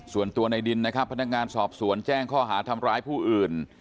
ส่วนตัวในดินนะครับพนักงานสอบสวนแจ้งข้อหาทำร้ายผู้อื่น